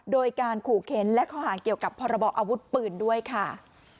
โดยการขู่เข็นและข้อหาเกี่ยวกับพรบออาวุธปืนด้วยค่ะ